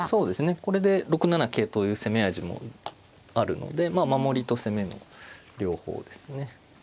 これで６七桂という攻め味もあるのでまあ守りと攻めの両方ですね。